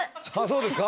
そうですか。